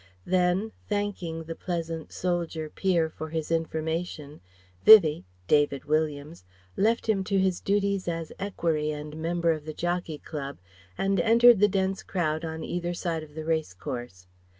Then, thanking the pleasant soldier peer for his information, Vivie (David Williams) left him to his duties as equerry and member of the Jockey Club and entered the dense crowd on either side of the race course.